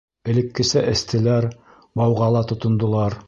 Элеккесә эстеләр, бауға ла тотондолар.